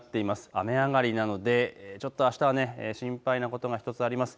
雨上がりなのでちょっとあしたは心配なことが１つあります。